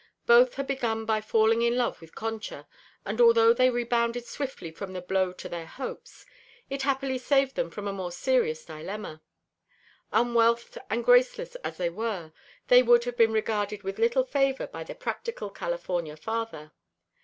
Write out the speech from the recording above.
Both had begun by falling in love with Concha, and although they rebounded swiftly from the blow to their hopes, it happily saved them from a more serious dilemma; unwealthed and graceless as they were, they would have been regarded with little favor by the practical California father.